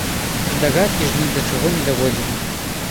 Здагадкі ж ні да чаго не даводзілі.